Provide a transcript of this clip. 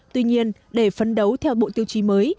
tuy nhiên để phấn đấu theo bộ tiêu chí mới